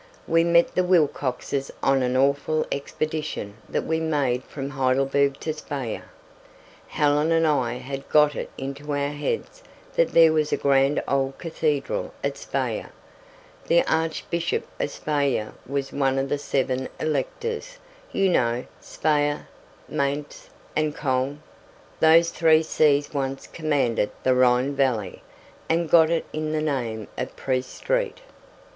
We met the Wilcoxes on an awful expedition that we made from Heidelberg to Speyer. Helen and I had got it into our heads that there was a grand old cathedral at Speyer the Archbishop of Speyer was one of the seven electors you know 'Speyer, Maintz, and Koln.' Those three sees once commanded the Rhine Valley and got it the name of Priest Street."